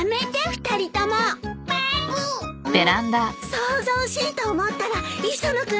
騒々しいと思ったら磯野君と中島君ね。